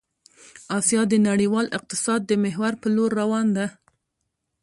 آسيا د نړيوال اقتصاد د محور په لور روان ده